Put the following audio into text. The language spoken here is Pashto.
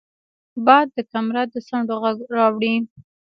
باد د کمره د څنډو غږ راوړي